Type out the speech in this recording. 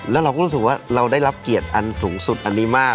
แล้วเราก็รู้สึกว่าเราได้รับเกียรติอันสูงสุดอันนี้มาก